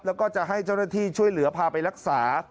แล้วก็จะให้เจ้าหน้าที่ช่วยเหลือพาไปรักษา